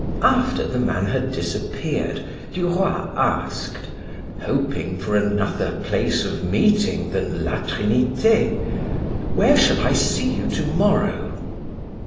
After the man had disappeared, Du Roy asked, hoping for another place of meeting than La Trinite: "Where shall I see you to morrow?"